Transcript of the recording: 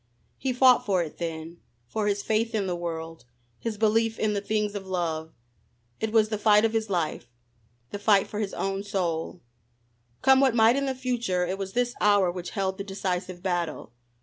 He fought for it then: for his faith in the world, his belief in the things of love. It was the fight of his life, the fight for his own soul. Come what might in the future, it was this hour which held the decisive battle.